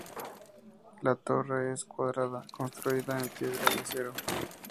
La torre es cuadrada, construida en piedra y acero.